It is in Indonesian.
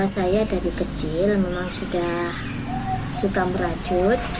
saya dari kecil memang sudah suka meracut